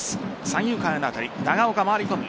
三遊間への当たり長岡、回り込む。